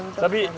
tapi lebih baik